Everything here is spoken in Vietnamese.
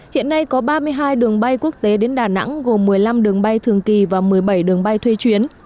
hiện nay có ba mươi hai đường bay quốc tế đến đà nẵng gồm một mươi năm đường bay thường kỳ và một mươi bảy đường bay thuê chuyến